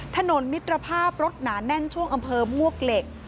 ถนนมิตรภาพรถหนาแน่นช่วงอำเภอมวกเหล็ก